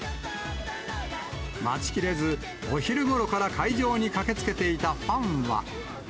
待ちきれず、お昼ごろから会場に駆けつけていたファンは。